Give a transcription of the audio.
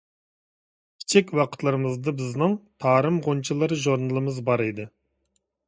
كىچىك ۋاقىتلىرىمىزدا بىزنىڭ «تارىم غۇنچىلىرى» ژۇرنىلىمىز بار ئىدى.